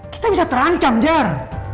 kita bisa terancam jar